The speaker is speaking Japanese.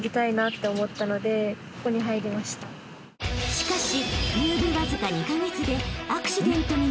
［しかし］